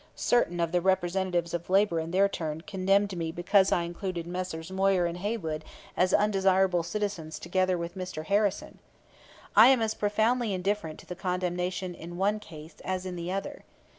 Certain of the representatives of labor in their turn condemned me because I included Messrs. Moyer and Haywood as undesirable citizens together with Mr. Harrison. I am as profoundly indifferent to the condemnation in one case as in the other.